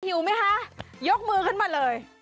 หิวไหมคะยกมือขึ้นมาเลย